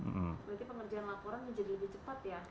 menjadi lebih cepat ya